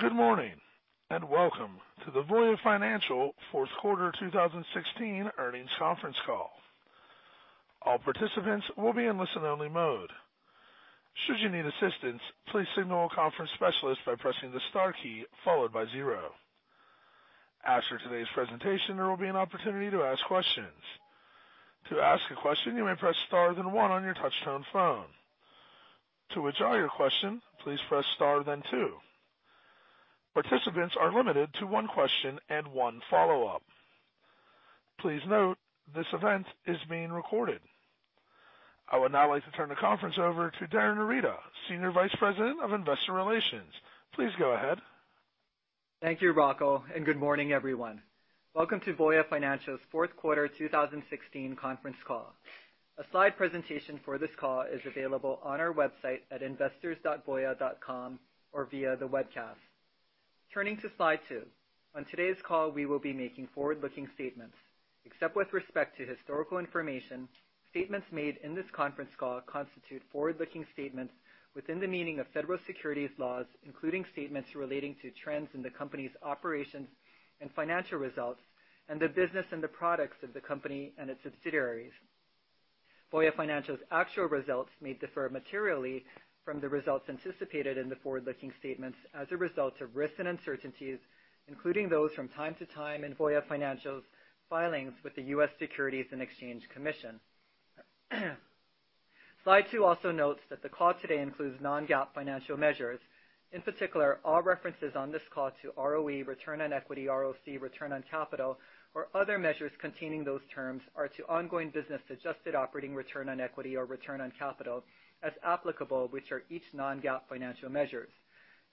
Good morning, and welcome to the Voya Financial fourth quarter 2016 earnings conference call. All participants will be in listen-only mode. Should you need assistance, please signal a conference specialist by pressing the star key followed by zero. After today's presentation, there will be an opportunity to ask questions. To ask a question, you may press star, then one on your touch-tone phone. To withdraw your question, please press star, then two. Participants are limited to one question and one follow-up. Please note, this event is being recorded. I would now like to turn the conference over to Darin Arita, Senior Vice President of Investor Relations. Please go ahead. Thank you, Rocco, and good morning, everyone. Welcome to Voya Financial's fourth quarter 2016 conference call. A slide presentation for this call is available on our website at investors.voya.com or via the webcast. Turning to slide two. On today's call, we will be making forward-looking statements. Except with respect to historical information, statements made in this conference call constitute forward-looking statements within the meaning of Federal Securities laws, including statements relating to trends in the company's operations and financial results and the business and the products of the company and its subsidiaries. Voya Financial's actual results may differ materially from the results anticipated in the forward-looking statements as a result of risks and uncertainties, including those from time to time in Voya Financial's filings with the U.S. Securities and Exchange Commission. Slide two also notes that the call today includes non-GAAP financial measures. In particular, all references on this call to ROE, return on equity, ROC, return on capital, or other measures containing those terms are to ongoing business adjusted operating return on equity or return on capital as applicable, which are each non-GAAP financial measures.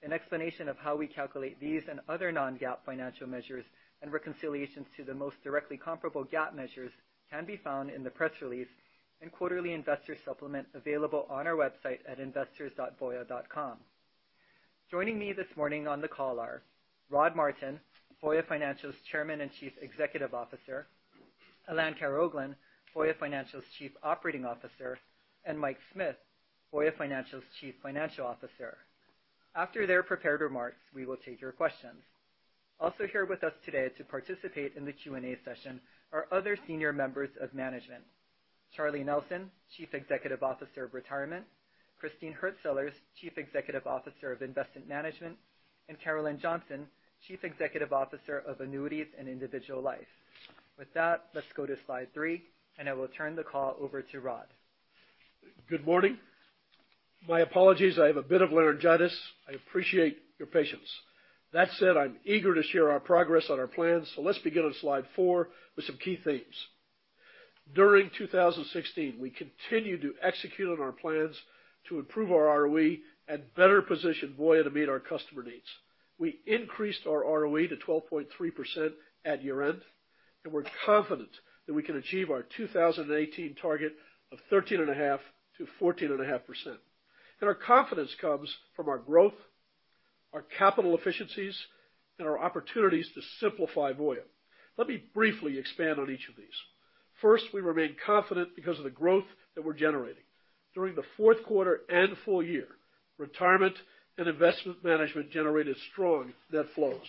An explanation of how we calculate these and other non-GAAP financial measures and reconciliations to the most directly comparable GAAP measures can be found in the press release and quarterly investor supplement available on our website at investors.voya.com. Joining me this morning on the call are Rod Martin, Voya Financial's Chairman and Chief Executive Officer, Alain Karaoglan, Voya Financial's Chief Operating Officer, and Mike Smith, Voya Financial's Chief Financial Officer. After their prepared remarks, we will take your questions. Also here with us today to participate in the Q&A session are other senior members of management, Charlie Nelson, Chief Executive Officer of Retirement, Christine Hurtsellers, Chief Executive Officer of Investment Management, and Carolyn Johnson, Chief Executive Officer of Annuities and Individual Life. With that, let's go to slide three, and I will turn the call over to Rod. Good morning. My apologies, I have a bit of laryngitis. I appreciate your patience. That said, I'm eager to share our progress on our plans, so let's begin on slide 4 with some key themes. During 2016, we continued to execute on our plans to improve our ROE and better position Voya to meet our customer needs. We increased our ROE to 12.3% at year-end, and we're confident that we can achieve our 2018 target of 13.5%-14.5%. Our confidence comes from our growth, our capital efficiencies, and our opportunities to simplify Voya. Let me briefly expand on each of these. First, we remain confident because of the growth that we're generating. During the fourth quarter and full year, Retirement and Investment Management generated strong net flows.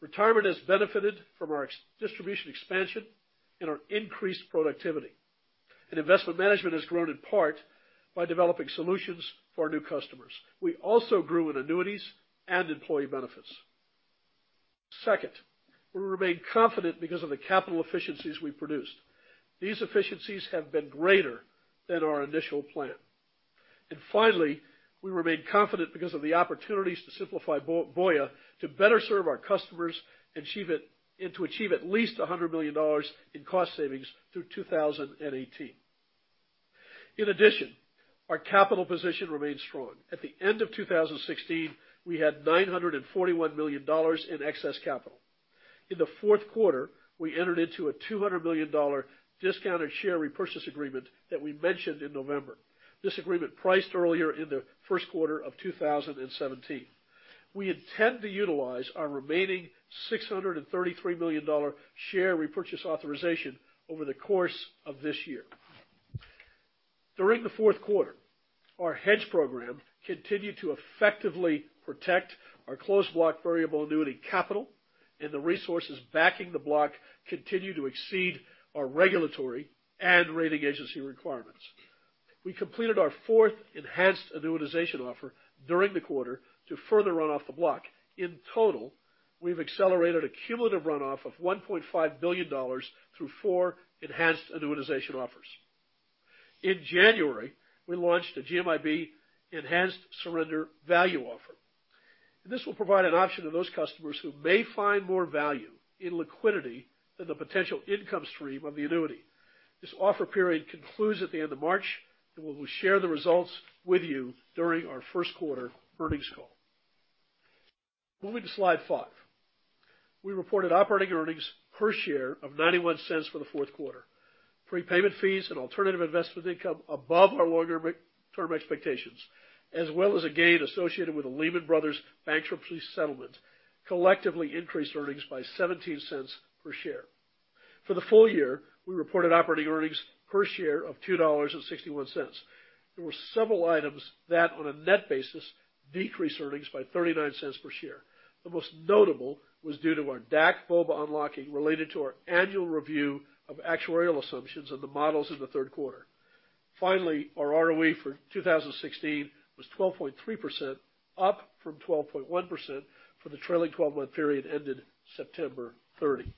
Retirement has benefited from our distribution expansion and our increased productivity. Investment Management has grown in part by developing solutions for our new customers. We also grew in annuities and employee benefits. Second, we remain confident because of the capital efficiencies we produced. These efficiencies have been greater than our initial plan. Finally, we remain confident because of the opportunities to simplify Voya to better serve our customers and to achieve at least $100 million in cost savings through 2018. In addition, our capital position remains strong. At the end of 2016, we had $941 million in excess capital. In the fourth quarter, we entered into a $200 million discounted share repurchase agreement that we mentioned in November. This agreement priced earlier in the first quarter of 2017. We intend to utilize our remaining $633 million share repurchase authorization over the course of this year. During the fourth quarter, our hedge program continued to effectively protect our Closed Block Variable Annuity capital, and the resources backing the block continue to exceed our regulatory and rating agency requirements. We completed our fourth enhanced annuitization offer during the quarter to further run off the block. In total, we've accelerated a cumulative runoff of $1.5 billion through four enhanced annuitization offers. In January, we launched a GMIB enhanced surrender value offer. This will provide an option to those customers who may find more value in liquidity than the potential income stream of the annuity. This offer period concludes at the end of March, and we will share the results with you during our first quarter earnings call. Moving to slide 5. We reported operating earnings per share of $0.91 for the fourth quarter. Prepayment fees and alternative investment income above our longer term expectations, as well as a gain associated with the Lehman Brothers bankruptcy settlement, collectively increased earnings by $0.17 per share. For the full year, we reported operating earnings per share of $2.61. There were several items that, on a net basis, decreased earnings by $0.39 per share. The most notable was due to our DAC VOBA unlocking related to our annual review of actuarial assumptions on the models in the third quarter. Finally, our ROE for 2016 was 12.3%, up from 12.1% for the trailing 12-month period ended September 30.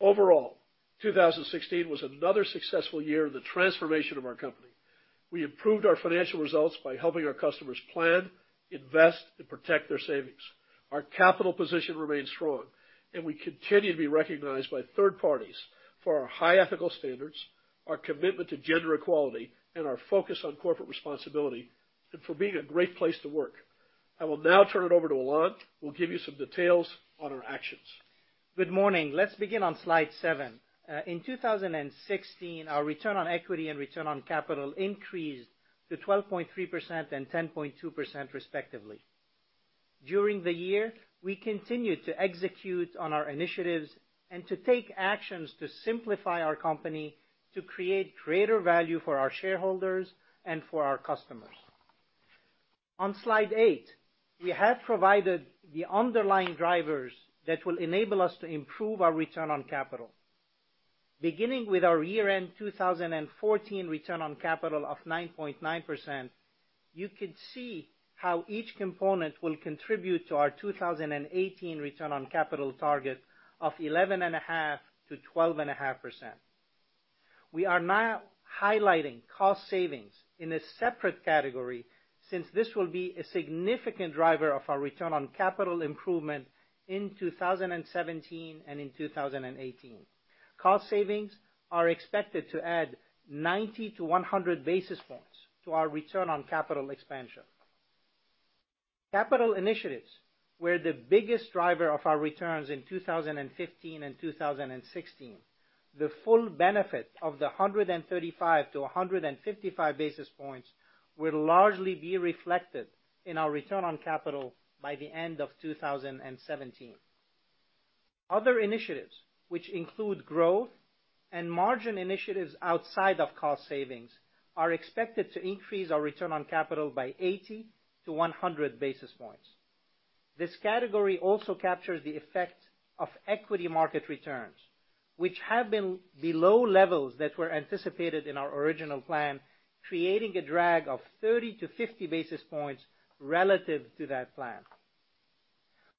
Overall, 2016 was another successful year in the transformation of our company. We improved our financial results by helping our customers plan, invest, and protect their savings. Our capital position remains strong. We continue to be recognized by third parties for our high ethical standards, our commitment to gender equality, our focus on corporate responsibility, and for being a great place to work. I will now turn it over to Alain, who will give you some details on our actions. Good morning. Let's begin on slide seven. In 2016, our return on equity and return on capital increased to 12.3% and 10.2% respectively. During the year, we continued to execute on our initiatives and to take actions to simplify our company to create greater value for our shareholders and for our customers. On slide eight, we have provided the underlying drivers that will enable us to improve our return on capital. Beginning with our year-end 2014 return on capital of 9.9%, you can see how each component will contribute to our 2018 return on capital target of 11.5%-12.5%. We are now highlighting cost savings in a separate category, since this will be a significant driver of our return on capital improvement in 2017 and in 2018. Cost savings are expected to add 90-100 basis points to our return on capital expansion. Capital initiatives were the biggest driver of our returns in 2015 and 2016. The full benefit of the 135-155 basis points will largely be reflected in our return on capital by the end of 2017. Other initiatives, which include growth and margin initiatives outside of cost savings, are expected to increase our return on capital by 80-100 basis points. This category also captures the effect of equity market returns, which have been below levels that were anticipated in our original plan, creating a drag of 30-50 basis points relative to that plan.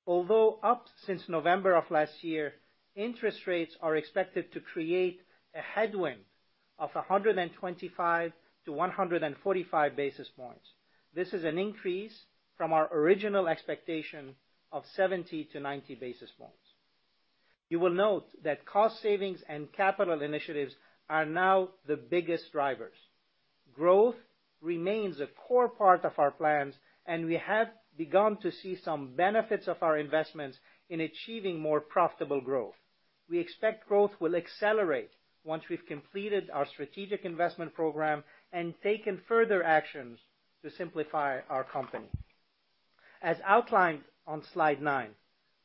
Although up since November of last year, interest rates are expected to create a headwind of 125-145 basis points. This is an increase from our original expectation of 70-90 basis points. You will note that cost savings and capital initiatives are now the biggest drivers. Growth remains a core part of our plans. We have begun to see some benefits of our investments in achieving more profitable growth. We expect growth will accelerate once we've completed our strategic investment program and taken further actions to simplify our company. As outlined on slide nine,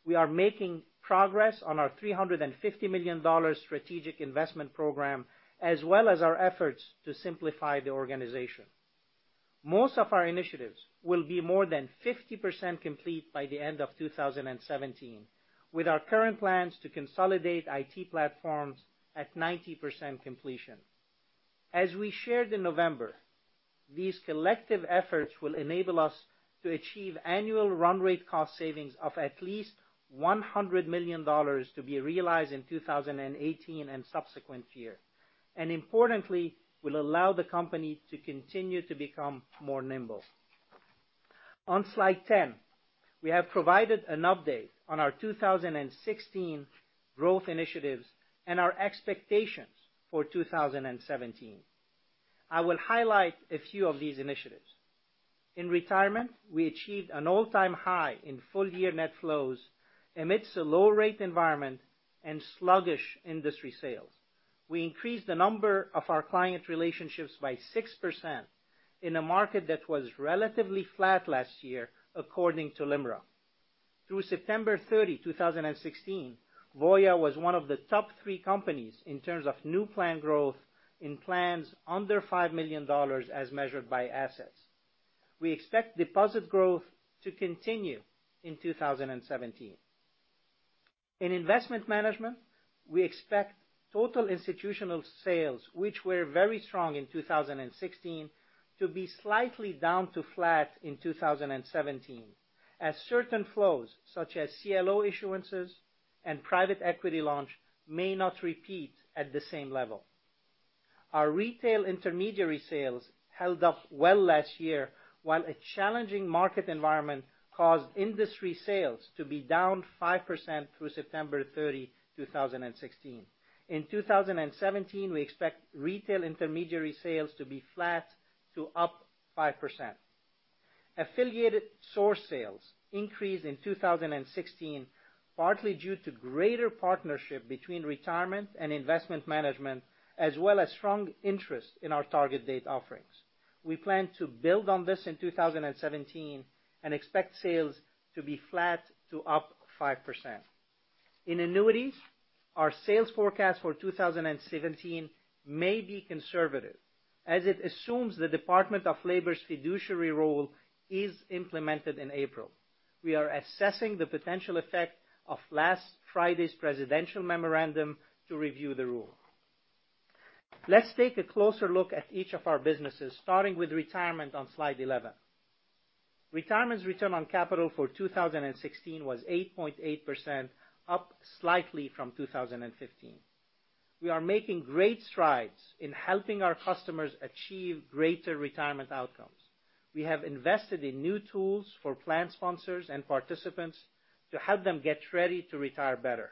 we are making progress on our $350 million strategic investment program, as well as our efforts to simplify the organization. Most of our initiatives will be more than 50% complete by the end of 2017, with our current plans to consolidate IT platforms at 90% completion. As we shared in November, these collective efforts will enable us to achieve annual run rate cost savings of at least $100 million to be realized in 2018 and subsequent years. Importantly, will allow the company to continue to become more nimble. On slide 10, we have provided an update on our 2016 growth initiatives and our expectations for 2017. I will highlight a few of these initiatives. In retirement, we achieved an all-time high in full-year net flows amidst a low-rate environment and sluggish industry sales. We increased the number of our client relationships by 6% in a market that was relatively flat last year, according to LIMRA. Through September 30, 2016, Voya was one of the top three companies in terms of new plan growth in plans under $5 million as measured by assets. We expect deposit growth to continue in 2017. In Investment Management, we expect total institutional sales, which were very strong in 2016, to be slightly down to flat in 2017 as certain flows, such as CLO issuances and private equity launch, may not repeat at the same level. Our retail intermediary sales held up well last year, while a challenging market environment caused industry sales to be down 5% through September 30, 2016. In 2017, we expect retail intermediary sales to be flat to up 5%. Affiliated source sales increased in 2016, partly due to greater partnership between Retirement and Investment Management, as well as strong interest in our target date offerings. We plan to build on this in 2017 and expect sales to be flat to up 5%. In annuities, our sales forecast for 2017 may be conservative, as it assumes the Department of Labor's fiduciary rule is implemented in April. We are assessing the potential effect of last Friday's presidential memorandum to review the rule. Let's take a closer look at each of our businesses, starting with Retirement on slide 11. Retirement's return on capital for 2016 was 8.8%, up slightly from 2015. We are making great strides in helping our customers achieve greater retirement outcomes. We have invested in new tools for plan sponsors and participants to help them get ready to retire better.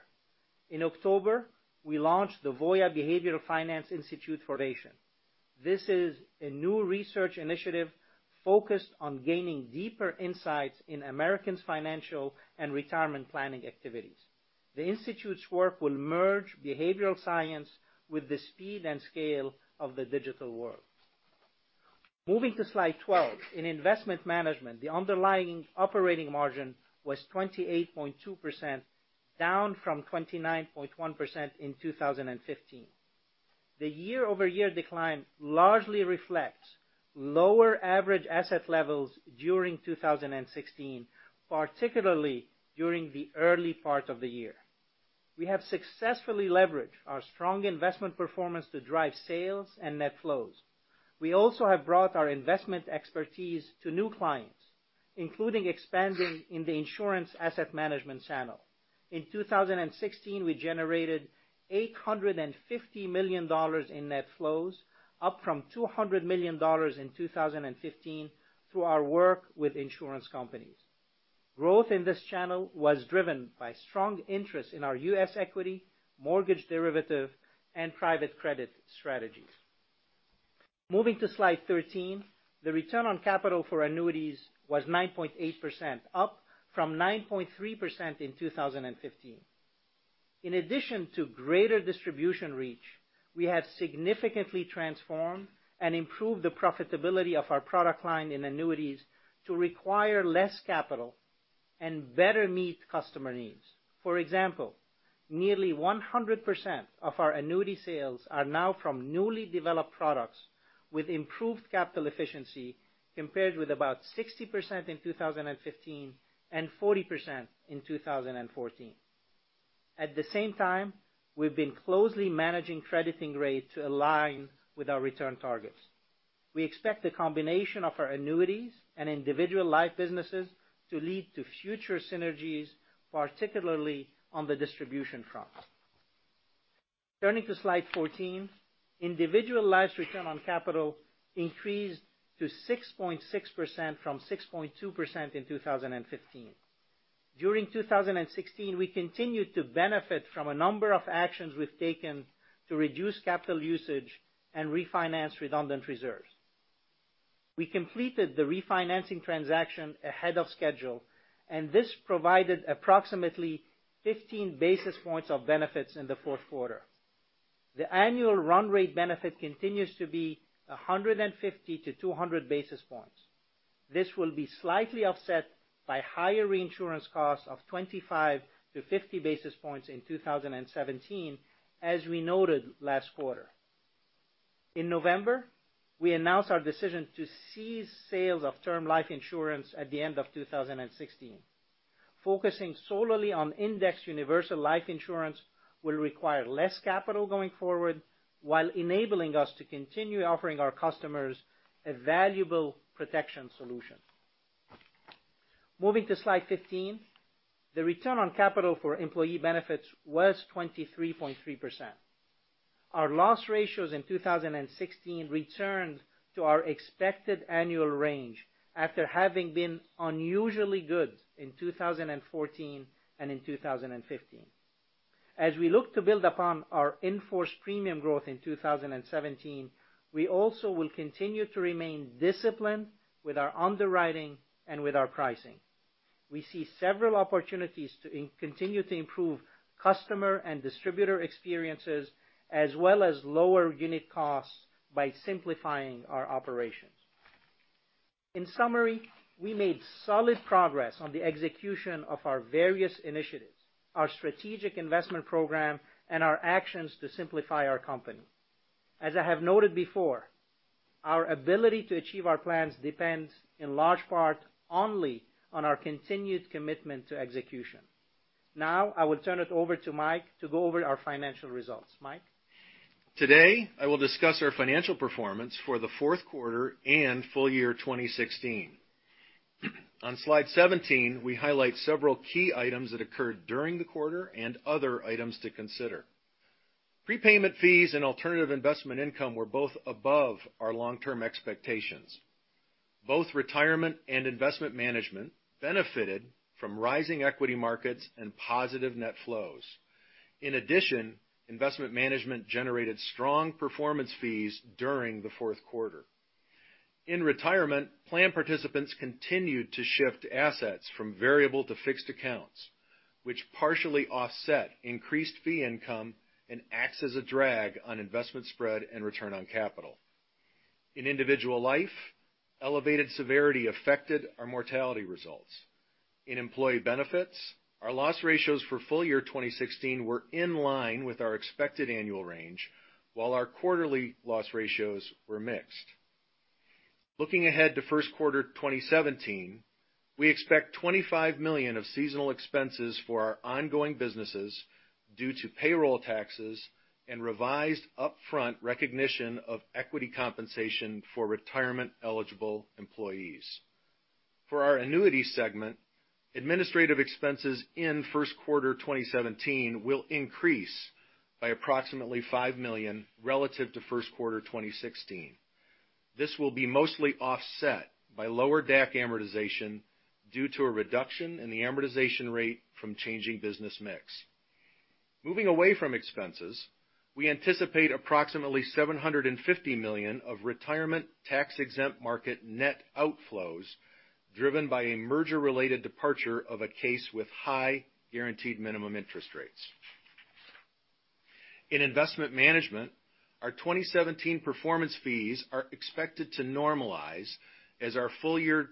In October, we launched the Voya Behavioral Finance Institute for Innovation. This is a new research initiative focused on gaining deeper insights in Americans' financial and retirement planning activities. The institute's work will merge behavioral science with the speed and scale of the digital world. Moving to slide 12. In Investment Management, the underlying operating margin was 28.2%, down from 29.1% in 2015. The year-over-year decline largely reflects lower average asset levels during 2016, particularly during the early part of the year. We have successfully leveraged our strong investment performance to drive sales and net flows. We also have brought our investment expertise to new clients, including expanding in the insurance asset management channel. In 2016, we generated $850 million in net flows, up from $200 million in 2015, through our work with insurance companies. Growth in this channel was driven by strong interest in our U.S. equity, mortgage derivative, and private credit strategies. Moving to slide 13. The return on capital for annuities was 9.8%, up from 9.3% in 2015. In addition to greater distribution reach, we have significantly transformed and improved the profitability of our product line in annuities to require less capital and better meet customer needs. For example, nearly 100% of our annuity sales are now from newly developed products with improved capital efficiency, compared with about 60% in 2015 and 40% in 2014. At the same time, we've been closely managing crediting rate to align with our return targets. We expect the combination of our annuities and individual life businesses to lead to future synergies, particularly on the distribution front. Turning to slide 14. Individual Life's return on capital increased to 6.6% from 6.2% in 2015. During 2016, we continued to benefit from a number of actions we've taken to reduce capital usage and refinance redundant reserves. We completed the refinancing transaction ahead of schedule, and this provided approximately 15 basis points of benefits in the fourth quarter. The annual run rate benefit continues to be 150-200 basis points. This will be slightly offset by higher reinsurance costs of 25-50 basis points in 2017, as we noted last quarter. In November, we announced our decision to cease sales of term life insurance at the end of 2016. Focusing solely on index universal life insurance will require less capital going forward, while enabling us to continue offering our customers a valuable protection solution. Moving to slide 15. The return on capital for Employee Benefits was 23.3%. Our loss ratios in 2016 returned to our expected annual range after having been unusually good in 2014 and in 2015. As we look to build upon our in-force premium growth in 2017, we also will continue to remain disciplined with our underwriting and with our pricing. We see several opportunities to continue to improve customer and distributor experiences, as well as lower unit costs by simplifying our operations. In summary, we made solid progress on the execution of our various initiatives, our strategic investment program, and our actions to simplify our company. As I have noted before, our ability to achieve our plans depends, in large part, only on our continued commitment to execution. Now, I will turn it over to Mike to go over our financial results. Mike? Today, I will discuss our financial performance for the fourth quarter and full year 2016. On slide 17, we highlight several key items that occurred during the quarter and other items to consider. Prepayment fees and alternative investment income were both above our long-term expectations. Both Retirement and Investment Management benefited from rising equity markets and positive net flows. In addition, Investment Management generated strong performance fees during the fourth quarter. In Retirement, plan participants continued to shift assets from variable to fixed accounts, which partially offset increased fee income and acts as a drag on investment spread and return on capital. In Individual Life, elevated severity affected our mortality results. In Employee Benefits, our loss ratios for full year 2016 were in line with our expected annual range, while our quarterly loss ratios were mixed. Looking ahead to first quarter 2017, we expect $25 million of seasonal expenses for our ongoing businesses due to payroll taxes and revised upfront recognition of equity compensation for retirement eligible employees. For our annuity segment, administrative expenses in first quarter 2017 will increase by approximately $5 million relative to first quarter 2016. This will be mostly offset by lower DAC amortization due to a reduction in the amortization rate from changing business mix. Moving away from expenses, we anticipate approximately $750 million of retirement tax exempt market net outflows driven by a merger related departure of a case with high guaranteed minimum interest rates. In Investment Management, our 2017 performance fees are expected to normalize as our full year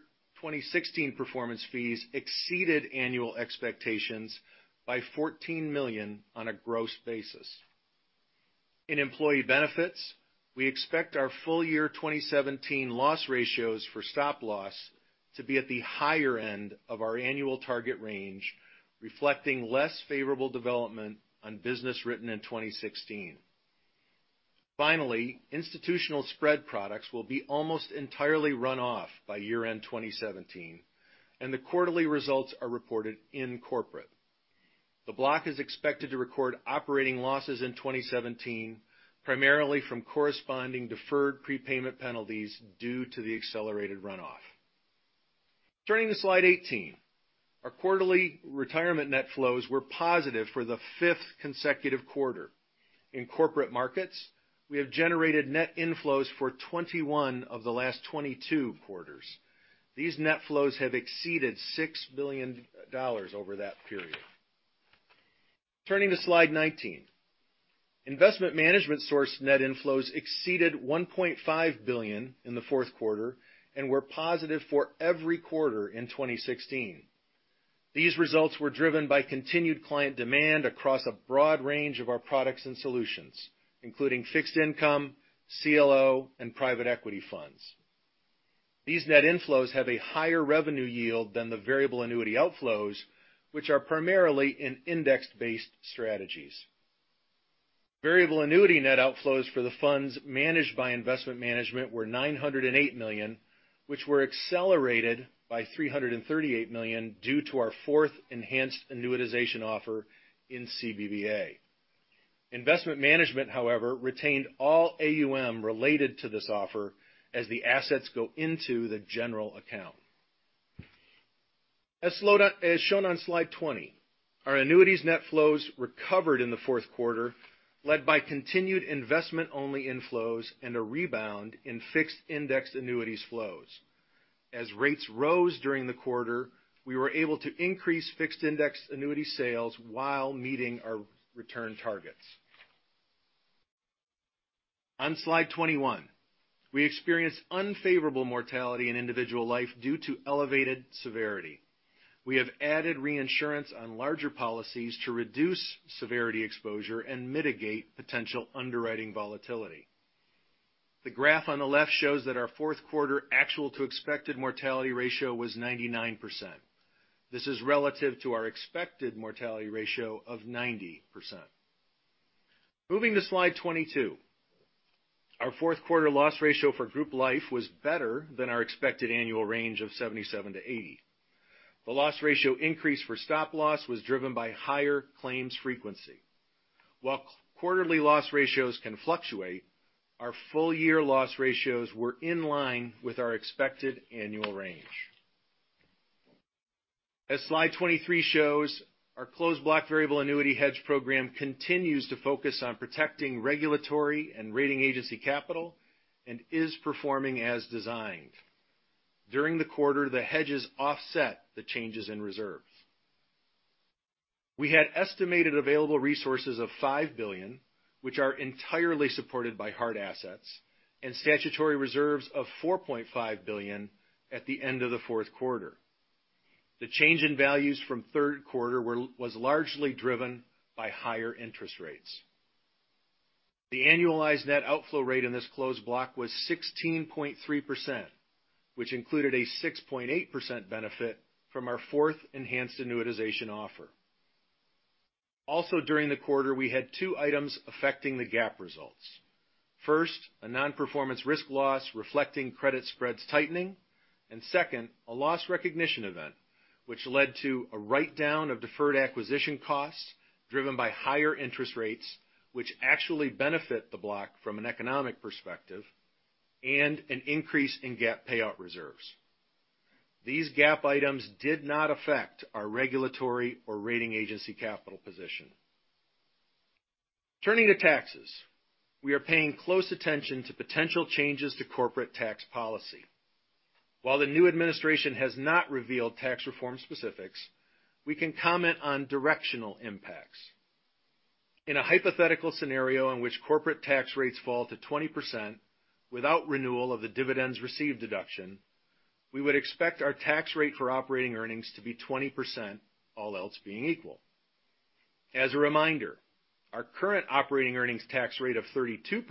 2016 performance fees exceeded annual expectations by $14 million on a gross basis. In Employee Benefits, we expect our full year 2017 loss ratios for stop loss to be at the higher end of our annual target range, reflecting less favorable development on business written in 2016. Finally, institutional spread products will be almost entirely run off by year end 2017, and the quarterly results are reported in Corporate. The block is expected to record operating losses in 2017, primarily from corresponding deferred prepayment penalties due to the accelerated runoff. Turning to slide 18. Our quarterly retirement net flows were positive for the fifth consecutive quarter. In corporate markets, we have generated net inflows for 21 of the last 22 quarters. These net flows have exceeded $6 billion over that period. Turning to slide 19. Investment Management source net inflows exceeded $1.5 billion in the fourth quarter and were positive for every quarter in 2016. These results were driven by continued client demand across a broad range of our products and solutions, including fixed income, CLO, and private equity funds. These net inflows have a higher revenue yield than the variable annuity outflows, which are primarily in index-based strategies. Variable annuity net outflows for the funds managed by Investment Management were $908 million, which were accelerated by $338 million due to our fourth enhanced annuitization offer in CBVA. Investment Management, however, retained all AUM related to this offer as the assets go into the general account. As shown on slide 20, our annuities net flows recovered in the fourth quarter, led by continued investment only inflows and a rebound in fixed indexed annuities flows. As rates rose during the quarter, we were able to increase fixed indexed annuity sales while meeting our return targets. On slide 21, we experienced unfavorable mortality in Individual Life due to elevated severity. We have added reinsurance on larger policies to reduce severity exposure and mitigate potential underwriting volatility. The graph on the left shows that our fourth quarter actual to expected mortality ratio was 99%. This is relative to our expected mortality ratio of 90%. Moving to slide 22. Our fourth quarter loss ratio for Group Life was better than our expected annual range of 77%-80%. The loss ratio increase for stop loss was driven by higher claims frequency. While quarterly loss ratios can fluctuate, our full year loss ratios were in line with our expected annual range. As slide 23 shows, our Closed Block Variable Annuity hedge program continues to focus on protecting regulatory and rating agency capital and is performing as designed. During the quarter, the hedges offset the changes in reserves. We had estimated available resources of $5 billion, which are entirely supported by hard assets, and statutory reserves of $4.5 billion at the end of the fourth quarter. The change in values from third quarter was largely driven by higher interest rates. The annualized net outflow rate in this closed block was 16.3%, which included a 6.8% benefit from our fourth enhanced annuitization offer. Also during the quarter, we had two items affecting the GAAP results. First, a non-performance risk loss reflecting credit spreads tightening, and second, a loss recognition event, which led to a write down of deferred acquisition costs driven by higher interest rates, which actually benefit the block from an economic perspective and an increase in GAAP payout reserves. These GAAP items did not affect our regulatory or rating agency capital position. Turning to taxes. We are paying close attention to potential changes to corporate tax policy. While the new administration has not revealed tax reform specifics, we can comment on directional impacts. In a hypothetical scenario in which corporate tax rates fall to 20% without renewal of the dividends received deduction, we would expect our tax rate for operating earnings to be 20%, all else being equal. As a reminder, our current operating earnings tax rate of 32%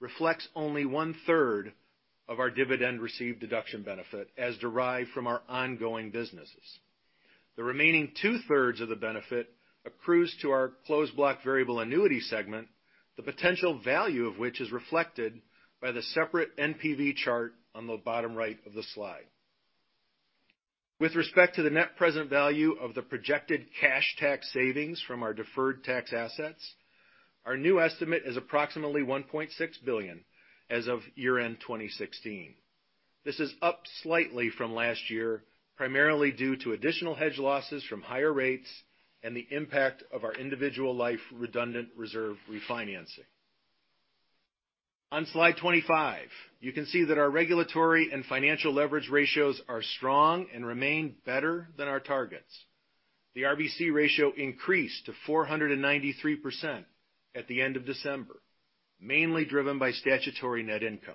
reflects only one-third of our dividend received deduction benefit as derived from our ongoing businesses. The remaining two-thirds of the benefit accrues to our Closed Block Variable Annuity segment, the potential value of which is reflected by the separate NPV chart on the bottom right of the slide. With respect to the net present value of the projected cash tax savings from our deferred tax assets, our new estimate is approximately $1.6 billion as of year-end 2016. This is up slightly from last year, primarily due to additional hedge losses from higher rates and the impact of our individual life redundant reserve refinancing. On slide 25, you can see that our regulatory and financial leverage ratios are strong and remain better than our targets. The RBC ratio increased to 493% at the end of December, mainly driven by statutory net income.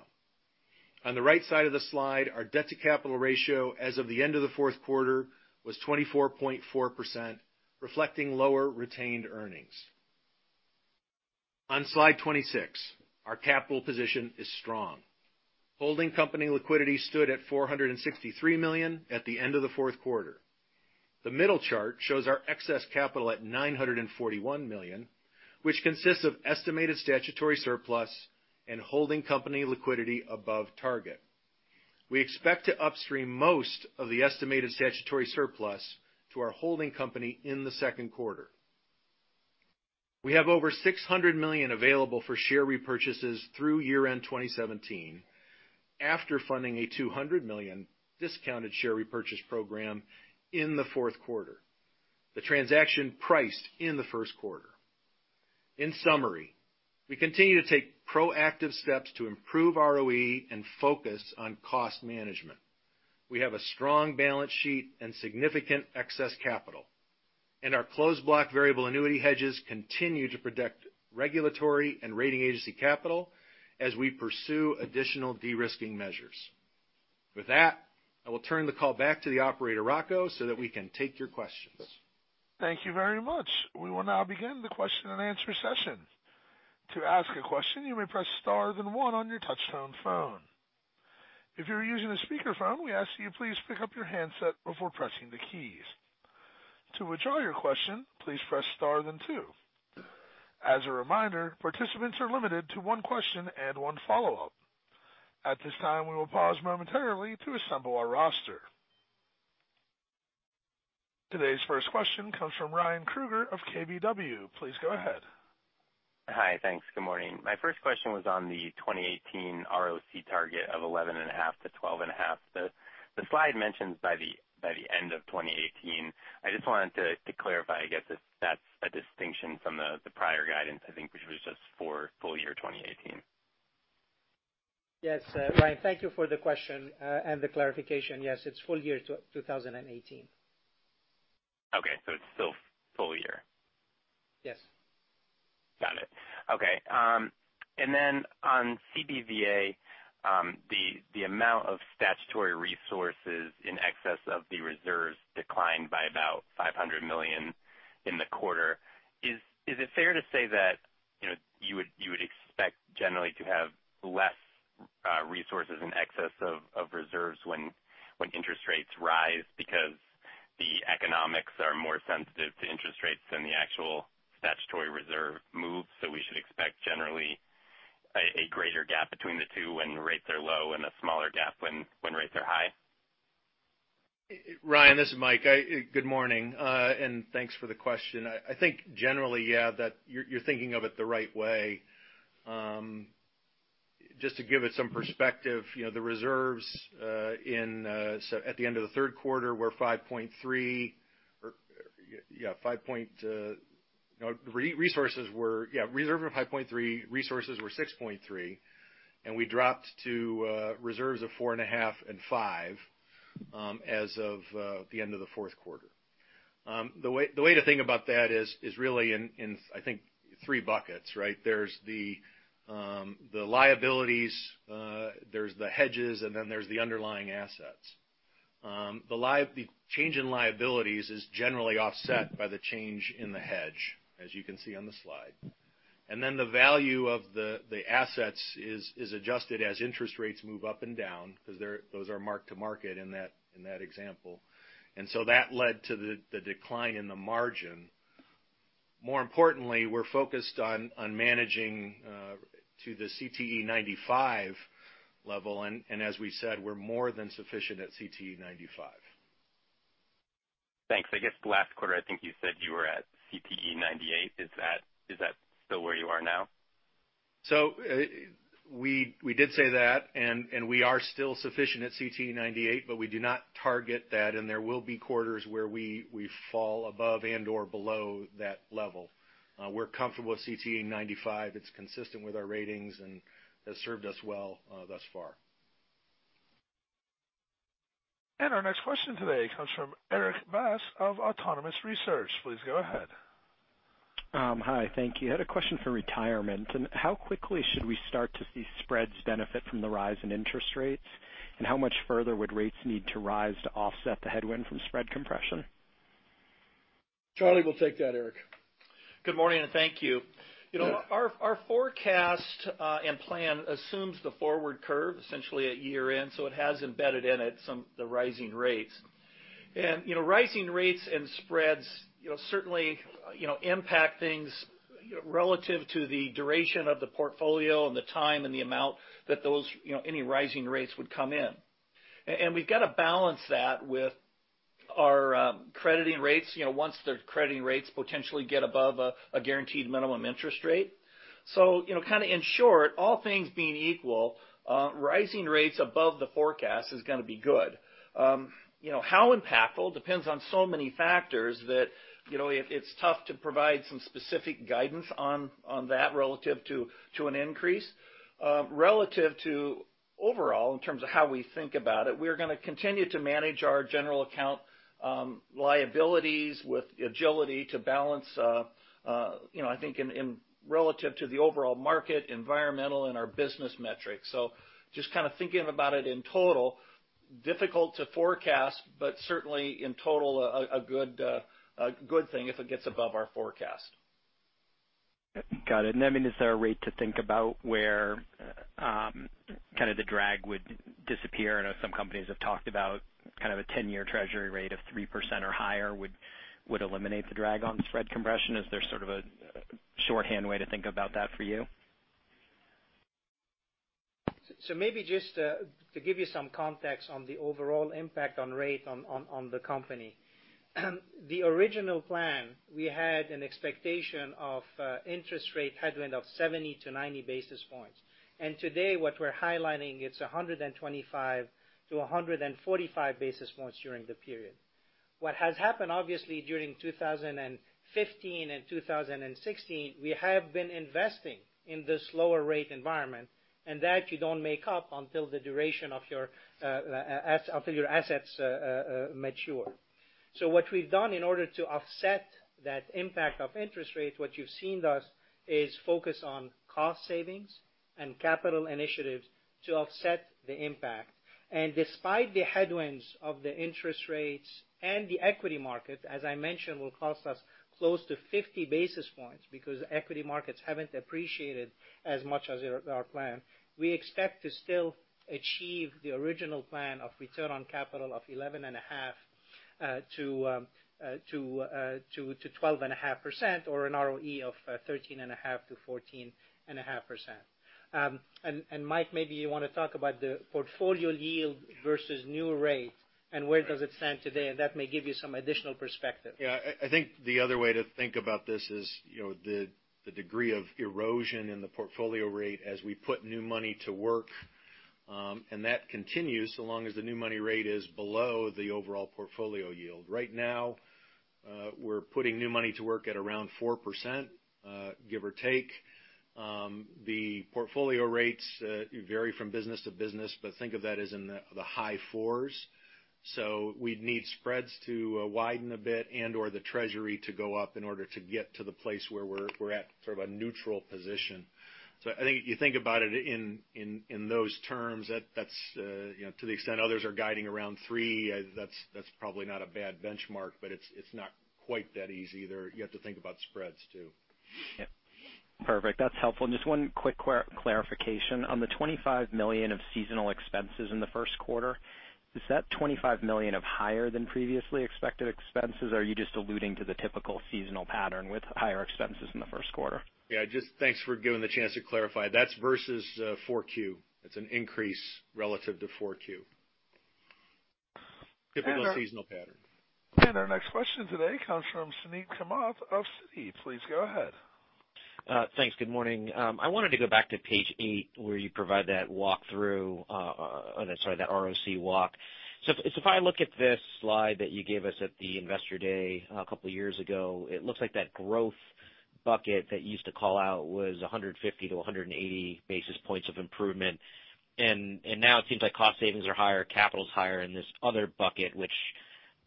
On the right side of the slide, our debt-to-capital ratio as of the end of the fourth quarter was 24.4%, reflecting lower retained earnings. On slide 26, our capital position is strong. Holding company liquidity stood at $463 million at the end of the fourth quarter. The middle chart shows our excess capital at $941 million, which consists of estimated statutory surplus and holding company liquidity above target. We expect to upstream most of the estimated statutory surplus to our holding company in the second quarter. We have over $600 million available for share repurchases through year-end 2017, after funding a $200 million discounted share repurchase program in the fourth quarter. The transaction priced in the first quarter. In summary, we continue to take proactive steps to improve ROE and focus on cost management. We have a strong balance sheet and significant excess capital, and our Closed Block Variable Annuity hedges continue to protect regulatory and rating agency capital as we pursue additional de-risking measures. With that, I will turn the call back to the operator, Rocco, so that we can take your questions. Thank you very much. We will now begin the question-and-answer session. To ask a question, you may press star then one on your touchtone phone. If you're using a speakerphone, we ask that you please pick up your handset before pressing the keys. To withdraw your question, please press star then two. As a reminder, participants are limited to one question and one follow-up. At this time, we will pause momentarily to assemble our roster. Today's first question comes from Ryan Krueger of KBW. Please go ahead. Hi. Thanks. Good morning. My first question was on the 2018 ROC target of 11.5 to 12.5. The slide mentions by the end of 2018. I just wanted to clarify, I guess, if that's a distinction from the prior guidance, I think which was just for full year 2018. Yes, Ryan. Thank you for the question and the clarification. Yes, it's full year 2018. Okay, it's still full year. Yes. Got it. Okay. On CBVA, the amount of statutory resources in excess of the reserves declined by about $500 million in the quarter. Is it fair to say that you would expect generally to have less resources in excess of reserves when interest rates rise because the economics are more sensitive to interest rates than the actual statutory reserve moves, so we should expect generally a greater gap between the two when rates are low and a smaller gap when rates are high? Ryan, this is Mike. Good morning. Thanks for the question. I think generally, yeah, that you're thinking of it the right way. Just to give it some perspective, the reserves at the end of the third quarter were $5.3 billion. No, reserve of $5.3 billion, resources were $6.3 billion, and we dropped to reserves of $4.5 billion and $5 billion as of the end of the fourth quarter. The way to think about that is really in, I think, three buckets, right? There's the liabilities, there's the hedges, and there's the underlying assets. The change in liabilities is generally offset by the change in the hedge, as you can see on the slide. The value of the assets is adjusted as interest rates move up and down because those are marked to market in that example. That led to the decline in the margin. More importantly, we're focused on managing to the CTE 95 level. As we said, we're more than sufficient at CTE 95. Thanks. I guess last quarter, I think you said you were at CTE 98. Is that still where you are now? We did say that, and we are still sufficient at CTE 98, but we do not target that, and there will be quarters where we fall above and/or below that level. We're comfortable with CTE 95. It's consistent with our ratings and has served us well thus far. Our next question today comes from Erik Bass of Autonomous Research. Please go ahead. Hi, thank you. I had a question for Retirement. How quickly should we start to see spreads benefit from the rise in interest rates? How much further would rates need to rise to offset the headwind from spread compression? Charlie will take that, Erik. Good morning, and thank you. Our forecast and plan assumes the forward curve essentially at year-end. It has embedded in it the rising rates. Rising rates and spreads certainly impact things relative to the duration of the portfolio and the time and the amount that any rising rates would come in. We've got to balance that with our crediting rates, once the crediting rates potentially get above a guaranteed minimum interest rate. In short, all things being equal, rising rates above the forecast is going to be good. How impactful depends on so many factors that it's tough to provide some specific guidance on that relative to an increase. Relative to overall, in terms of how we think about it, we're going to continue to manage our general account liabilities with agility to balance, I think, relative to the overall market, environmental, and our business metrics. Just thinking about it in total, difficult to forecast, but certainly in total, a good thing if it gets above our forecast. Got it. Is there a rate to think about where the drag would disappear? I know some companies have talked about a 10-year Treasury rate of 3% or higher would eliminate the drag on spread compression. Is there sort of a shorthand way to think about that for you? Maybe just to give you some context on the overall impact on rate on the company. The original plan, we had an expectation of interest rate headwind of 70 to 90 basis points. Today, what we're highlighting, it's 125 to 145 basis points during the period. What has happened, obviously, during 2015 and 2016, we have been investing in this lower rate environment, and that you don't make up until the duration of your assets mature. What we've done in order to offset that impact of interest rates, what you've seen us is focus on cost savings and capital initiatives to offset the impact. Despite the headwinds of the interest rates and the equity market, as I mentioned, will cost us close to 50 basis points because equity markets haven't appreciated as much as our plan. We expect to still achieve the original plan of return on capital of 11.5%-12.5%, or an ROE of 13.5%-14.5%. Mike, maybe you want to talk about the portfolio yield versus new rate and where does it stand today, and that may give you some additional perspective. I think the other way to think about this is the degree of erosion in the portfolio rate as we put new money to work, that continues so long as the new money rate is below the overall portfolio yield. Right now, we're putting new money to work at around 4%, give or take. The portfolio rates vary from business to business, but think of that as in the high fours. We'd need spreads to widen a bit and/or the Treasury to go up in order to get to the place where we're at sort of a neutral position. I think if you think about it in those terms, to the extent others are guiding around three, that's probably not a bad benchmark, but it's not quite that easy there. You have to think about spreads, too. Perfect. That's helpful. Just one quick clarification. On the $25 million of seasonal expenses in the first quarter, is that $25 million of higher than previously expected expenses, or are you just alluding to the typical seasonal pattern with higher expenses in the first quarter? Thanks for giving the chance to clarify. That's versus 4Q. It's an increase relative to 4Q. Typical seasonal pattern. Our next question today comes from Suneet Kamath of Citi. Please go ahead. Thanks. Good morning. I wanted to go back to page eight, where you provide that walkthrough, or sorry, that ROC walk. If I look at this slide that you gave us at the Investor Day a couple of years ago, it looks like that growth bucket that you used to call out was 150-180 basis points of improvement. Now it seems like cost savings are higher, capital's higher, and this other bucket, which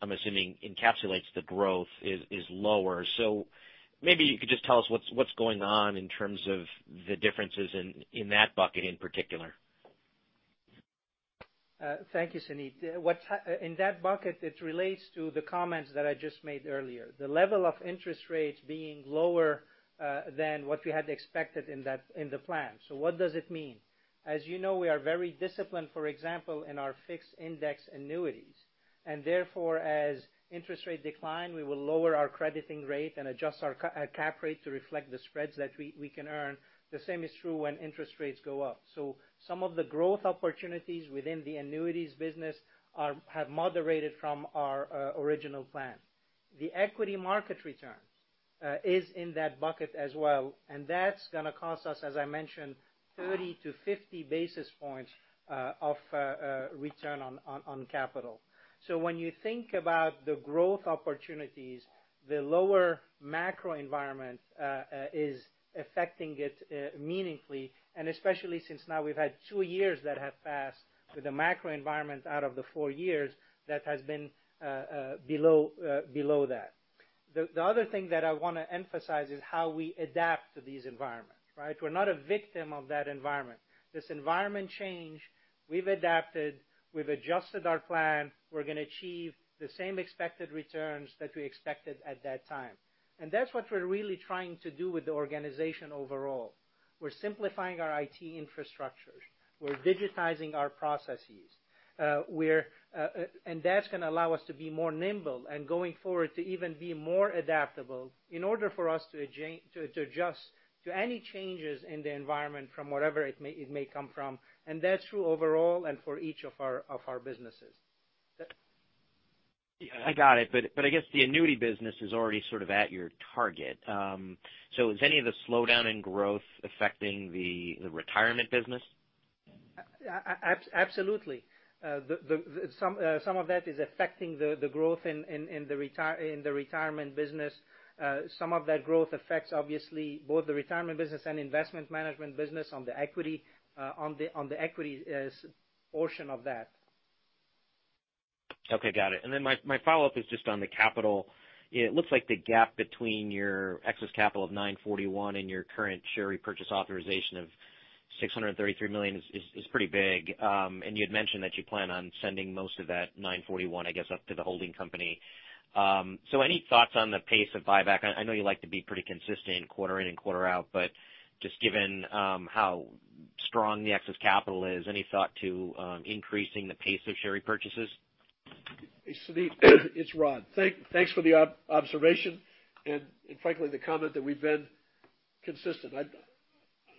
I'm assuming encapsulates the growth, is lower. Maybe you could just tell us what's going on in terms of the differences in that bucket in particular. Thank you, Suneet. In that bucket, it relates to the comments that I just made earlier. The level of interest rates being lower than what we had expected in the plan. What does it mean? As you know, we are very disciplined, for example, in our fixed indexed annuities. Therefore, as interest rates decline, we will lower our crediting rate and adjust our cap rate to reflect the spreads that we can earn. The same is true when interest rates go up. Some of the growth opportunities within the annuities business have moderated from our original plan. The equity market return is in that bucket as well, and that's going to cost us, as I mentioned, 30-50 basis points of return on capital. When you think about the growth opportunities, the lower macro environment is affecting it meaningfully, and especially since now we've had two years that have passed with a macro environment out of the four years that has been below that. The other thing that I want to emphasize is how we adapt to these environments. We're not a victim of that environment. This environment changed, we've adapted, we've adjusted our plan, we're going to achieve the same expected returns that we expected at that time. That's what we're really trying to do with the organization overall. We're simplifying our IT infrastructures. We're digitizing our processes. That's going to allow us to be more nimble and going forward, to even be more adaptable in order for us to adjust to any changes in the environment from wherever it may come from, and that's true overall and for each of our businesses. Yeah, I got it. I guess the annuity business is already sort of at your target. Is any of the slowdown in growth affecting the retirement business? Absolutely. Some of that is affecting the growth in the Retirement business. Some of that growth affects, obviously, both the Retirement business and Investment Management business on the equities portion of that. Okay, got it. My follow-up is just on the capital. It looks like the gap between your excess capital of $941 and your current share repurchase authorization of $633 million is pretty big. You'd mentioned that you plan on sending most of that $941, I guess, up to the holding company. Any thoughts on the pace of buyback? I know you like to be pretty consistent quarter in and quarter out, but just given how strong the excess capital is, any thought to increasing the pace of share purchases? Suneet, it's Rod. Thanks for the observation and frankly, the comment that we've been consistent.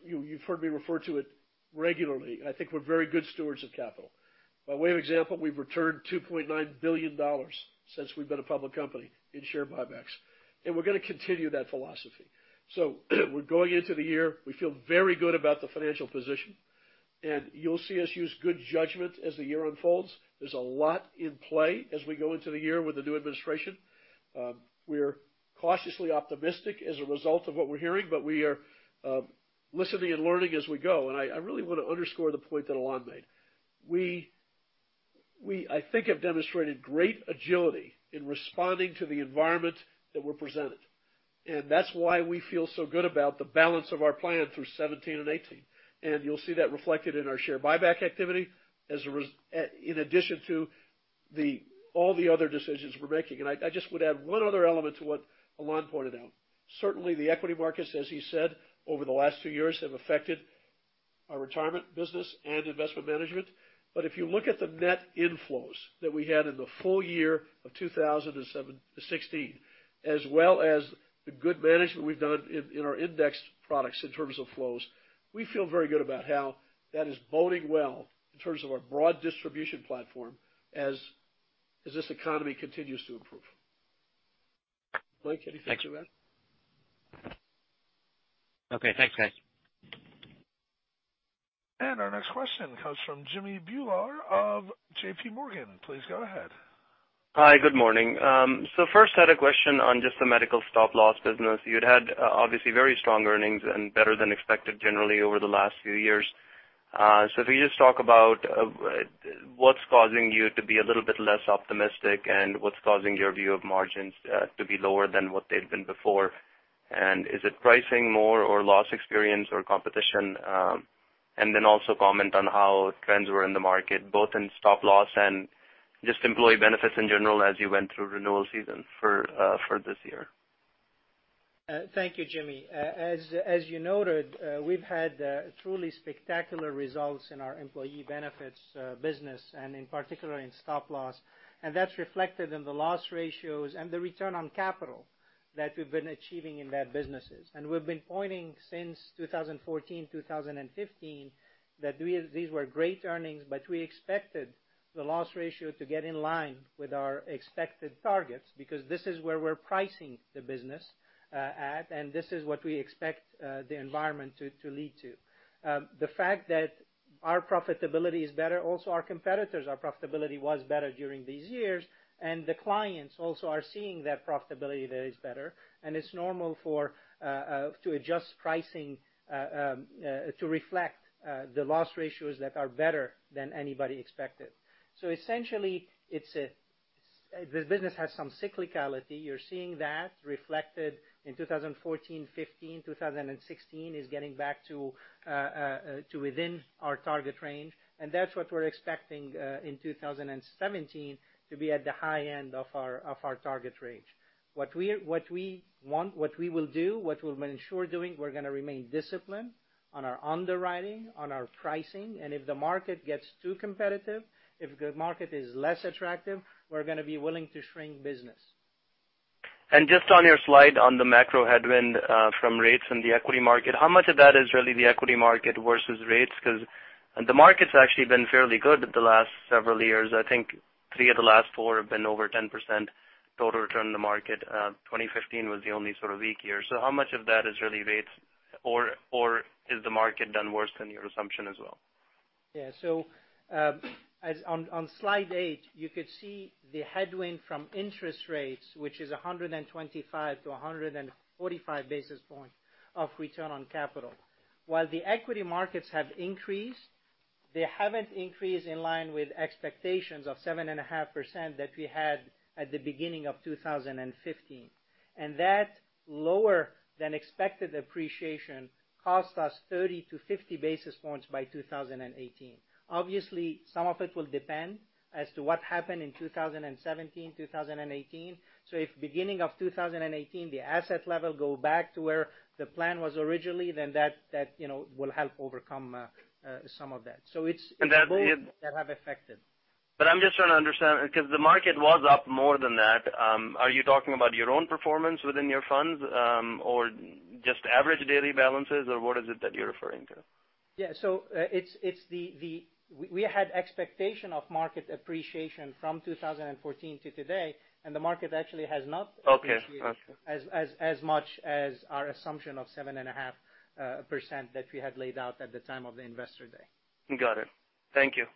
You've heard me refer to it regularly. I think we're very good stewards of capital. By way of example, we've returned $2.9 billion since we've been a public company in share buybacks, and we're going to continue that philosophy. We're going into the year, we feel very good about the financial position, and you'll see us use good judgment as the year unfolds. There's a lot in play as we go into the year with the new administration. We're cautiously optimistic as a result of what we're hearing, but we are listening and learning as we go. I really want to underscore the point that Alain made. We, I think, have demonstrated great agility in responding to the environment that we're presented, and that's why we feel so good about the balance of our plan through 2017 and 2018. You'll see that reflected in our share buyback activity in addition to all the other decisions we're making. I just would add one other element to what Alain pointed out. Certainly, the equity markets, as he said, over the last two years, have affected our retirement business and investment management. But if you look at the net inflows that we had in the full year of 2016, as well as the good management we've done in our indexed products in terms of flows, we feel very good about how that is boding well in terms of our broad distribution platform as this economy continues to improve. Blake, anything to add? Okay, thanks, guys. Our next question comes from Jimmy Bhullar of J.P. Morgan. Please go ahead. Hi, good morning. First I had a question on just the medical stop loss business. You'd had, obviously, very strong earnings and better than expected generally over the last few years. If you could just talk about what's causing you to be a little bit less optimistic and what's causing your view of margins to be lower than what they've been before. Is it pricing more or loss experience or competition? Also comment on how trends were in the market, both in stop loss and just employee benefits in general as you went through renewal season for this year. Thank you, Jimmy. As you noted, we've had truly spectacular results in our employee benefits business, and in particular, in stop loss. That's reflected in the loss ratios and the return on capital that we've been achieving in that businesses. We've been pointing since 2014, 2015, that these were great earnings, but we expected the loss ratio to get in line with our expected targets because this is where we're pricing the business at, and this is what we expect the environment to lead to. The fact that our profitability is better, also our competitors' profitability was better during these years, the clients also are seeing that profitability there is better, and it's normal to adjust pricing to reflect the loss ratios that are better than anybody expected. Essentially, this business has some cyclicality. You're seeing that reflected in 2014, 2015. 2016 is getting back to within our target range, that's what we're expecting in 2017 to be at the high end of our target range. We're going to remain disciplined on our underwriting, on our pricing, and if the market gets too competitive, if the market is less attractive, we're going to be willing to shrink business. Just on your slide on the macro headwind from rates and the equity market, how much of that is really the equity market versus rates? Because the market's actually been fairly good the last several years. I think three of the last four have been over 10% total return on the market. 2015 was the only sort of weak year. How much of that is really rates or has the market done worse than your assumption as well? Yeah. On slide eight, you could see the headwind from interest rates, which is 125-145 basis points of return on capital. While the equity markets have increased, they haven't increased in line with expectations of 7.5% that we had at the beginning of 2015. That lower than expected appreciation cost us 30-50 basis points by 2018. Obviously, some of it will depend as to what happened in 2017, 2018. If beginning of 2018, the asset level go back to where the plan was originally, that will help overcome some of that. It's- That- Both that have affected. I'm just trying to understand, because the market was up more than that. Are you talking about your own performance within your funds, or just average daily balances? What is it that you're referring to? Yeah. We had expectation of market appreciation from 2014 to today, and the market actually has not- Okay. Got you appreciated as much as our assumption of 7.5% that we had laid out at the time of the Investor Day. Got it. Thank you.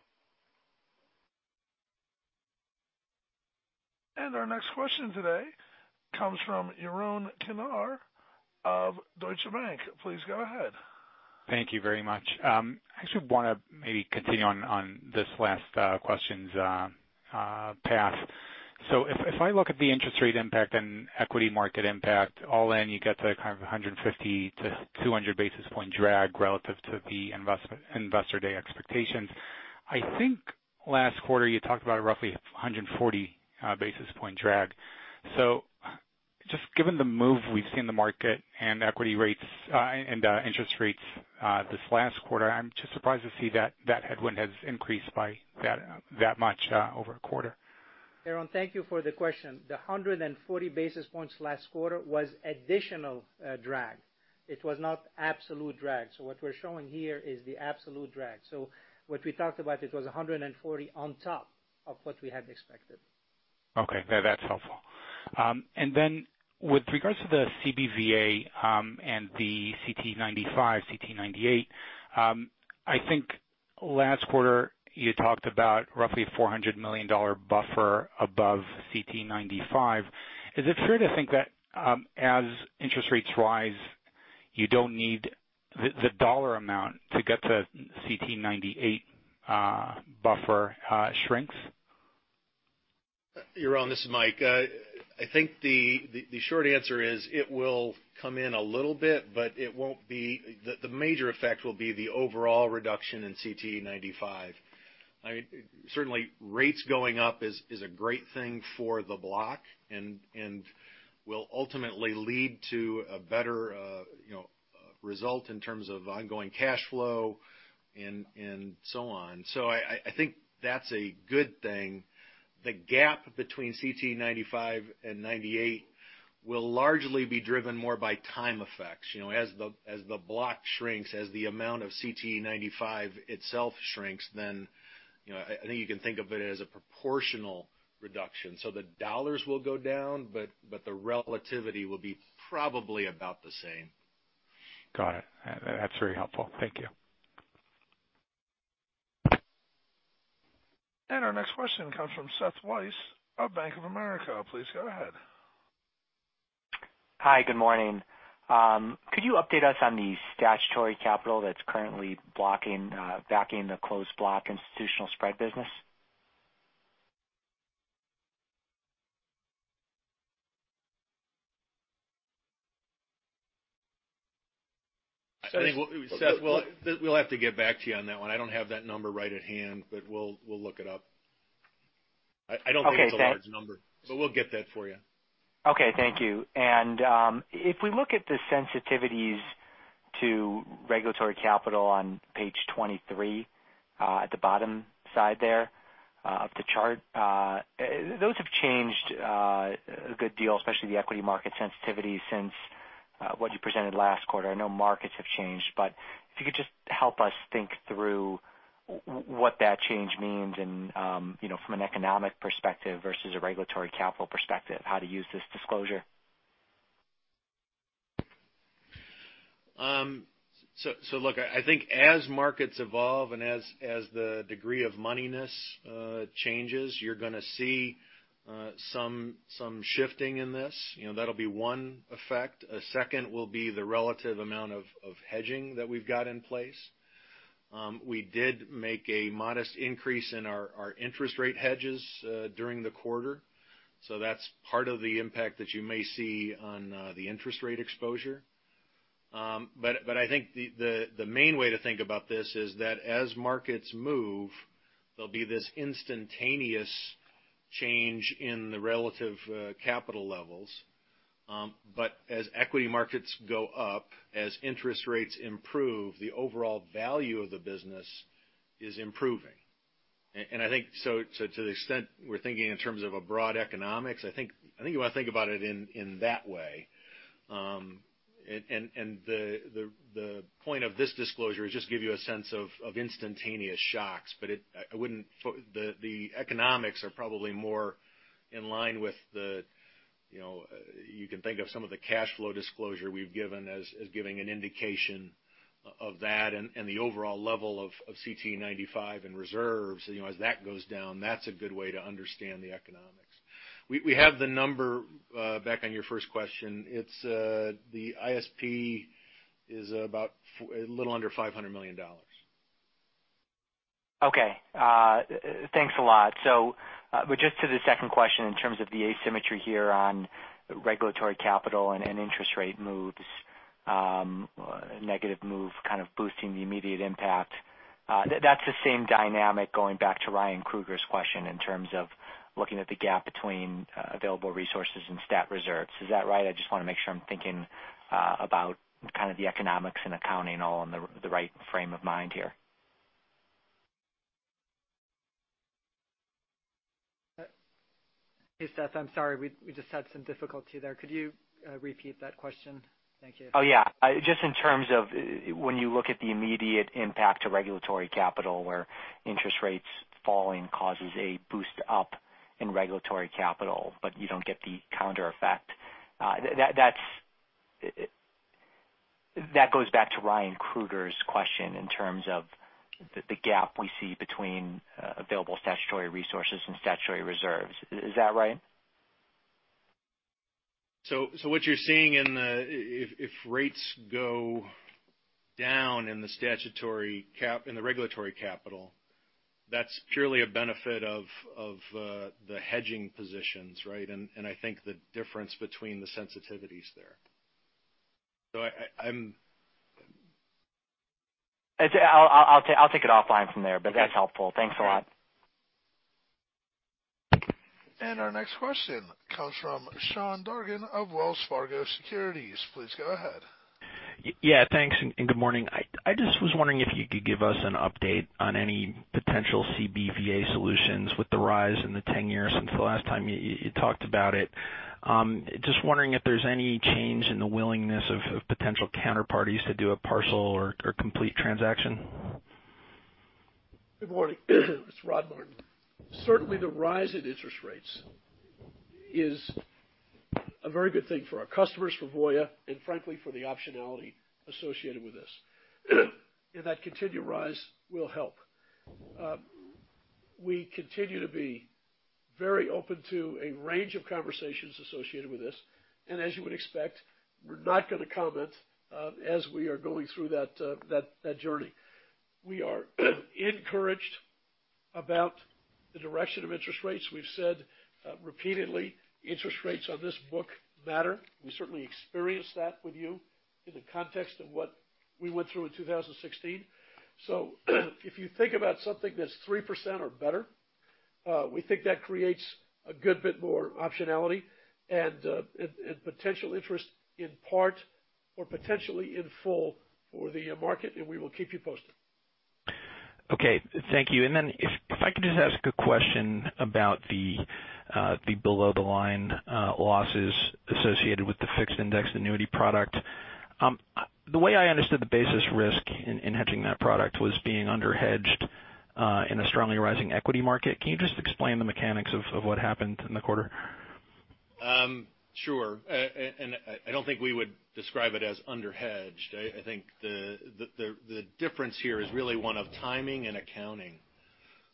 Our next question today comes from Yaron Kinar of Deutsche Bank. Please go ahead. Thank you very much. I actually want to maybe continue on this last question's path. If I look at the interest rate impact and equity market impact, all in, you get to 150 to 200 basis point drag relative to the Investor Day expectations. I think last quarter you talked about roughly 140 basis point drag. Just given the move we've seen the market and equity rates and interest rates this last quarter, I'm just surprised to see that that headwind has increased by that much over a quarter. Yaron, thank you for the question. The 140 basis points last quarter was additional drag. It was not absolute drag. What we're showing here is the absolute drag. What we talked about, it was 140 on top of what we had expected. Okay. That's helpful. With regards to the CBVA and the CTE 95, CTE 98, I think last quarter you talked about roughly $400 million buffer above CTE 95. Is it fair to think that, as interest rates rise, you don't need the dollar amount to get to CTE 98 buffer shrinks? Yaron, this is Mike. I think the short answer is it will come in a little bit, but the major effect will be the overall reduction in CTE 95. Certainly, rates going up is a great thing for the block and will ultimately lead to a better result in terms of ongoing cash flow and so on. I think that's a good thing. The gap between CTE 95 and 98 will largely be driven more by time effects. As the block shrinks, as the amount of CTE 95 itself shrinks, then I think you can think of it as a proportional reduction. The dollars will go down, but the relativity will be probably about the same. Got it. That's very helpful. Thank you. Our next question comes from Seth Weiss of Bank of America. Please go ahead. Hi. Good morning. Could you update us on the statutory capital that's currently backing the closed block institutional spread business? Seth, we'll have to get back to you on that one. I don't have that number right at hand, but we'll look it up. Okay. Thanks. I don't think it's a large number, but we'll get that for you. Okay, thank you. If we look at the sensitivities to regulatory capital on page 23 at the bottom side there of the chart, those have changed a good deal, especially the equity market sensitivity since what you presented last quarter. I know markets have changed, but if you could just help us think through what that change means and from an economic perspective versus a regulatory capital perspective, how to use this disclosure. Look, I think as markets evolve and as the degree of moneyness changes, you're going to see some shifting in this. That'll be one effect. A second will be the relative amount of hedging that we've got in place. We did make a modest increase in our interest rate hedges during the quarter. That's part of the impact that you may see on the interest rate exposure. I think the main way to think about this is that as markets move, there'll be this instantaneous change in the relative capital levels. As equity markets go up, as interest rates improve, the overall value of the business is improving. I think to the extent we're thinking in terms of a broad economics, I think you want to think about it in that way. The point of this disclosure is just to give you a sense of instantaneous shocks. The economics are probably more in line with the, you can think of some of the cash flow disclosure we've given as giving an indication of that and the overall level of CTE 95 and reserves. As that goes down, that's a good way to understand the economics. We have the number back on your first question. The ISP is a little under $500 million. Okay. Thanks a lot. Just to the second question, in terms of the asymmetry here on regulatory capital and interest rate moves, negative move kind of boosting the immediate impact. That's the same dynamic, going back to Ryan Krueger's question, in terms of looking at the gap between available resources and stat reserves. Is that right? I just want to make sure I'm thinking about the economics and accounting all in the right frame of mind here. Hey, Seth, I'm sorry, we just had some difficulty there. Could you repeat that question? Thank you. Oh, yeah. Just in terms of when you look at the immediate impact to regulatory capital, where interest rates falling causes a boost up in regulatory capital, you don't get the calendar effect. That goes back to Ryan Krueger's question in terms of the gap we see between available statutory resources and statutory reserves. Is that right? What you're seeing, if rates go down in the regulatory capital, that's purely a benefit of the hedging positions, right? I think the difference between the sensitivities there. I'll take it offline from there, that's helpful. Thanks a lot. Our next question comes from Sean Dargan of Wells Fargo Securities. Please go ahead. Thanks, and good morning. I just was wondering if you could give us an update on any potential CBVA solutions with the rise in the 10-year since the last time you talked about it. Just wondering if there's any change in the willingness of potential counterparties to do a partial or complete transaction. Good morning. It's Rod Martin. Certainly, the rise in interest rates is a very good thing for our customers, for Voya Financial, and frankly, for the optionality associated with this. That continued rise will help. We continue to be very open to a range of conversations associated with this. As you would expect, we're not going to comment as we are going through that journey. We are encouraged about the direction of interest rates. We've said repeatedly, interest rates on this book matter. We certainly experienced that with you in the context of what we went through in 2016. If you think about something that's 3% or better, we think that creates a good bit more optionality and potential interest in part or potentially in full for the market, and we will keep you posted. Thank you. If I could just ask a question about the below-the-line losses associated with the fixed indexed annuity product. The way I understood the basis risk in hedging that product was being under-hedged in a strongly rising equity market. Can you just explain the mechanics of what happened in the quarter? I don't think we would describe it as under-hedged. I think the difference here is really one of timing and accounting.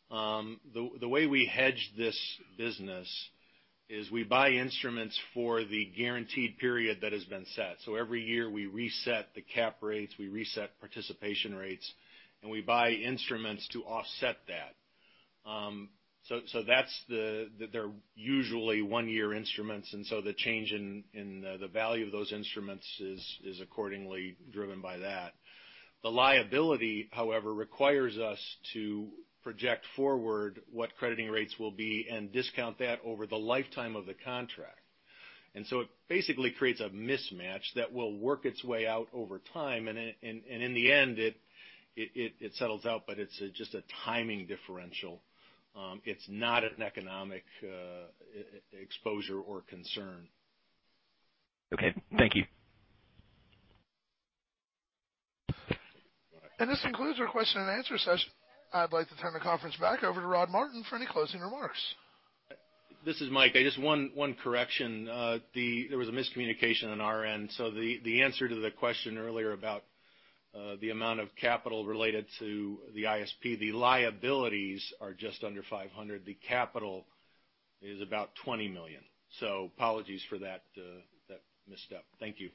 The way we hedge this business is we buy instruments for the guaranteed period that has been set. Every year, we reset the cap rates, we reset participation rates, and we buy instruments to offset that. They're usually one-year instruments, and so the change in the value of those instruments is accordingly driven by that. The liability, however, requires us to project forward what crediting rates will be and discount that over the lifetime of the contract. It basically creates a mismatch that will work its way out over time, in the end, it settles out, but it's just a timing differential. It's not an economic exposure or concern. Okay. Thank you. This concludes our question and answer session. I'd like to turn the conference back over to Rod Martin for any closing remarks. This is Mike. Just one correction. There was a miscommunication on our end. The answer to the question earlier about the amount of capital related to the ISP, the liabilities are just under $500. The capital is about $20 million. Apologies for that misstep. Thank you.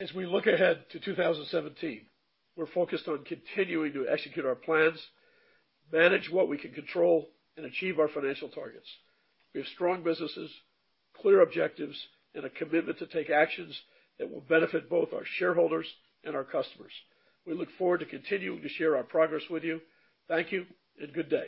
As we look ahead to 2017, we're focused on continuing to execute our plans, manage what we can control, and achieve our financial targets. We have strong businesses, clear objectives, and a commitment to take actions that will benefit both our shareholders and our customers. We look forward to continuing to share our progress with you. Thank you and good day.